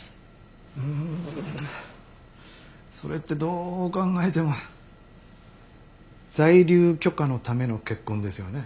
ううんそれってどう考えても在留許可のための結婚ですよね？